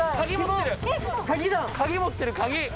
鍵持ってる鍵。